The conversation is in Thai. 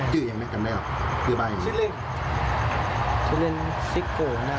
ติดประตูไหม